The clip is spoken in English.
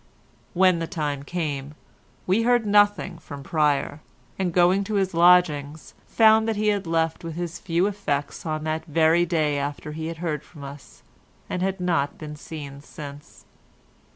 When the time came, we heard nothing from Pryer, and going to his lodgings found that he had left with his few effects on the very day after he had heard from us, and had not been seen since.